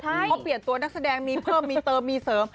เขาเปลี่ยนตัวนักแสดงมีเพิ่มมีเติมมีเสริม